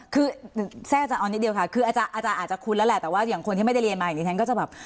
คือแทรกอาจารย์เอานิดเดียวค่ะคืออาจารย์อาจจะคุ้นแล้วแหละแต่ว่าอย่างคนที่ไม่ได้เรียนมาอย่างนี้ฉันก็จะแบบ